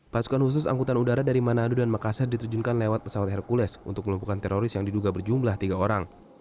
pasukan khusus angkutan udara dari manado dan makassar diterjunkan lewat pesawat hercules untuk melumpuhkan teroris yang diduga berjumlah tiga orang